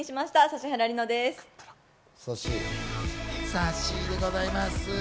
さっしーでございます。